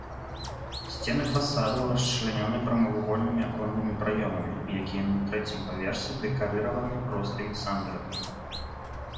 Сцены фасадаў расчлянёны прамавугольнымі аконнымі праёмамі, якія на трэцім паверсе дэкарыраваны простымі сандрыкамі.